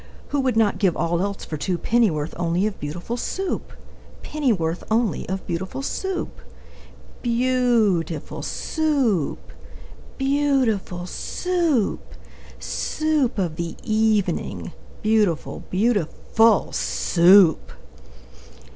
Who would not give all else for two Pennyworth only of Beautiful Soup? Pennyworth only of beautiful Soup? Beau ootiful Soo oop! Beau ootiful Soo oop! Soo oop of the e e evening, Beautiful, beauti FUL SOUP!